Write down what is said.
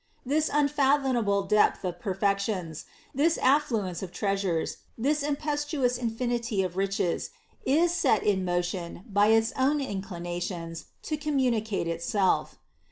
This unfathomable depth of perfections, this affluence of treasures, this impetuous infinity of riches, is set in motion by its own inclinations to communicate it self.